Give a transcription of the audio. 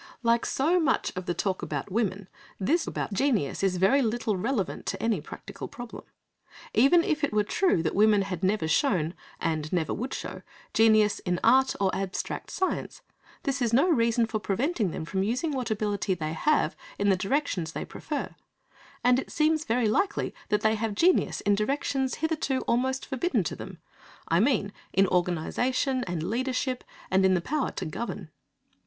Like so much of the talk about women, this about genius is very little relevant to any practical problem. Even if it were true that women had never shown, and never would show, genius in art or abstract science, this is no reason for preventing them from using what ability they have in the directions they prefer, and it seems very likely that they have genius in directions hitherto almost forbidden to them; I mean in organisation, and leadership, and in the power to govern.